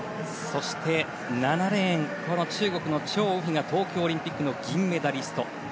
そして７レーンこの中国のチョウ・ウヒが東京オリンピックの銀メダリスト。